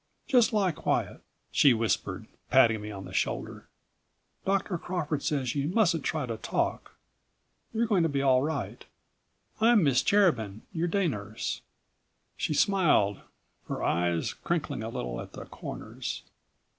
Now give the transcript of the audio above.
"Just lie quiet," she whispered, patting me on the shoulder. "Dr. Crawford says you mustn't try to talk. You're going to be all right. I'm Miss Cherubin, your day nurse." She smiled, her eyes crinkling a little at the corners.